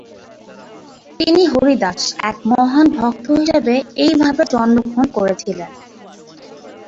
তিনি হরিদাস, এক মহান ভক্ত হিসাবে এইভাবে জন্মগ্রহণ করেছিলেন।